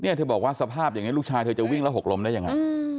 เธอบอกว่าสภาพอย่างนี้ลูกชายเธอจะวิ่งแล้วหกล้มได้ยังไง